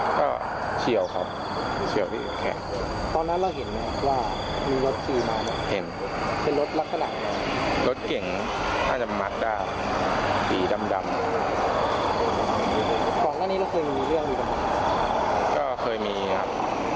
ที่ที่พื้นที่ไหนครับ